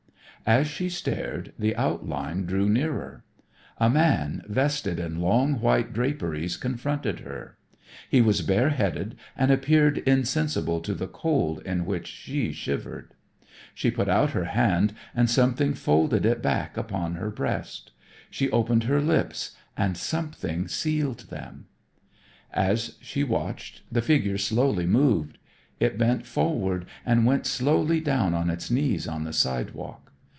As she stared, the outline drew nearer. A man vested in long white draperies confronted her. He was bareheaded and appeared insensible to the cold in which she shivered. She put out her hand and something folded it back upon her breast. She opened her lips and something sealed them. As she watched, the figure slowly moved. It bent forward and went slowly down on its knees on the sidewalk.